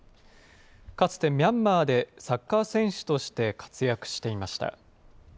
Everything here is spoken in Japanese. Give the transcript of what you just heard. かつてミャンマーでサッカー選手として活躍していました。